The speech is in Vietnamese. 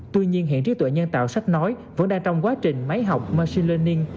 tuy nhiên hiện trí tuệ nhân tạo sách nói vẫn đang trong quá trình máy học marsyl learning